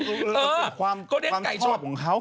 ตายไปได้ไงว่าความชอบของเขา